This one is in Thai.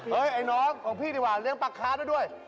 ไอ้น้องของพี่ดีกว่าเลี้ยงปลาค้าได้ด้วย